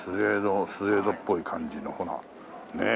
スエードっぽい感じのこのねえ。